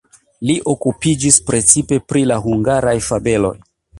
Li okupiĝis precipe pri la hungaraj fabeloj.